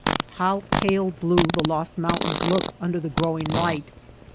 How pale blue the Lost Mountains look under the growing light.